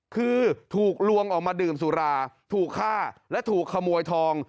คือถูกลวงออกมาดื่มสุราถูกฆ่าและถูกขโมยทอง